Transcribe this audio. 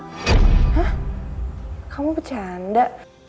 hah kamu bercanda